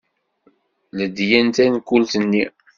Ledyen tankult-nni.